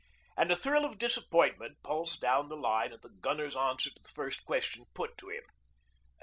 And a thrill of disappointment pulsed down the line at the gunner's answer to the first question put to him.